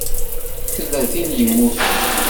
Tella tin i yemmuten?